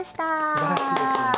すばらしいですね。